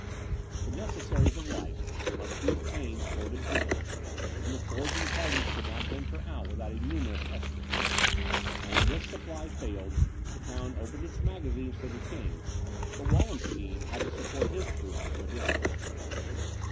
The necessaries of life must be obtained sword in hand; and the foraging parties could not venture out without a numerous escort. And when this supply failed, the town opened its magazines to the King, but Wallenstein had to support his troops from a distance.